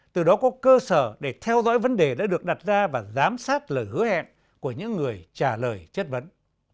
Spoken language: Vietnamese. từ đó có cơ sở để theo dõi vấn đề đã được đặt ra và giám sát lời hứa hẹn của những người trả lời chất vấn